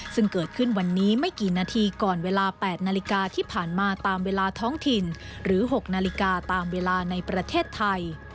ซึ่งเกิดขึ้นวันนี้ไม่กี่นาทีก่อนเวลา๘นาฬิกาที่ผ่านมาตามเวลาท้องถิ่นหรือ๖นาฬิกาตามเวลาในประเทศไทย